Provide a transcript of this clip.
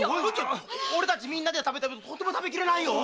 俺たちみんなで食べてもとても食べきれないよ！